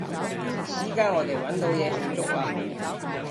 依加我哋搵到嘢慶祝喇！